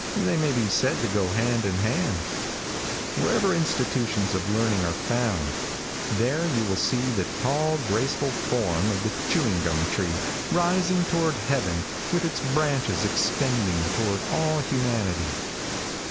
They may be said to go hand in hand. Wherever institutions of learning are found, there you will see the tall, graceful form of the chewing gum tree rising toward heaven with its branches extending toward all humanity.